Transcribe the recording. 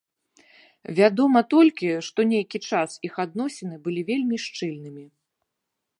Вядома толькі, што нейкі час іх адносіны былі вельмі шчыльнымі.